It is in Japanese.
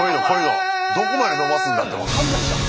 生きてくどこまでのばすんだって分かんないじゃん。